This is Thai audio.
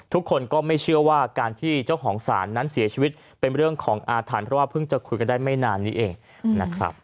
ทุกคนก็ไม่เชื่อว่าการที่เจ้าของศาลนั้นเสียชีวิตเป็นเรื่องของอาถรรพ์เพราะว่าเพิ่งจะคุยกันได้ไม่นานนี้เองนะครับ